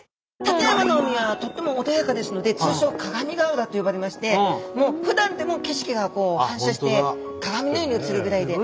館山の海はとっても穏やかですので通称「鏡ヶ浦」と呼ばれましてふだんでも景色が反射して鏡のように映るぐらいで。